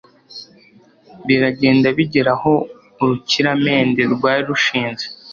Biragenda bigera aho urukiramende rwari rushinze ;